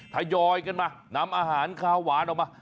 ทยอยกันมานำอาหารคาวหวานออกมา